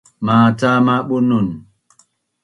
macam ma Bunun